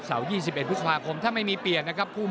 สวัสดีครับ